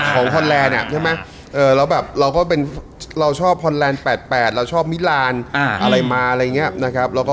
ของฮอลแลนด์เนี่ยเราชอบฮอลแลนด์๘๘เราชอบมิลานอะไรมาอะไรแบบนี้นะครับ